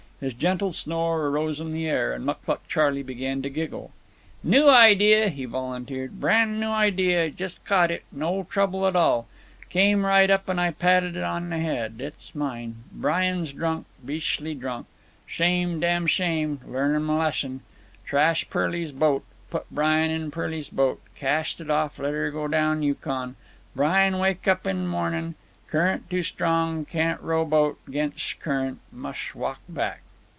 His gentle snore arose on the air, and Mucluc Charley began to giggle. "New idea," he volunteered, "brand new idea. Jes' caught it—no trouble at all. Came right up an' I patted it on the head. It's mine. 'Brien's drunk—beashly drunk. Shame—damn shame—learn'm lesshon. Trash Pearly's boat. Put 'Brien in Pearly's boat. Casht off—let her go down Yukon. 'Brien wake up in mornin'. Current too strong—can't row boat 'gainst current—mush walk back.